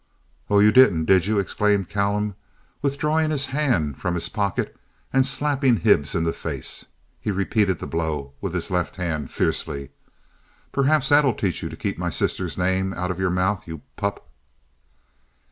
"Oh, you didn't, did you?" exclaimed Callum, withdrawing his hand from his pocket and slapping Hibbs in the face. He repeated the blow with his left hand, fiercely. "Perhaps that'll teach you to keep my sister's name out of your mouth, you pup!"